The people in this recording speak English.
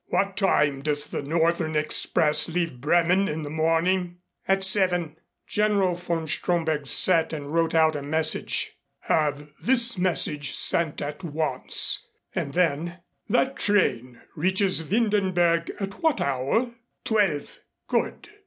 "What time does the northern express leave Bremen in the morning?" "At seven." General von Stromberg sat and wrote out a message. "Have this message sent at once." And then, "That train reaches Windenberg at what hour?" "Twelve." "Good.